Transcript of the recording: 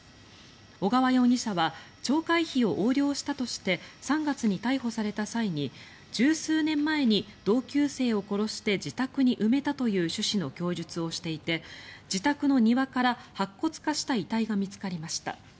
小川容疑者は町会費を横領したとして３月に逮捕された際に１０数年前に同級生を殺して自宅に埋めたという趣旨の供述をしていて自宅の庭から白骨化した遺体が見つかりました。